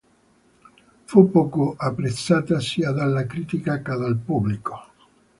Fu poco apprezzata sia dalla critica che dal pubblico.